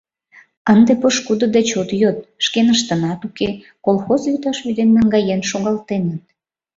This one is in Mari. Ынде пошкудо деч от йод — шкеныштынат уке, колхоз вӱташ вӱден наҥгаен шогалтеныт.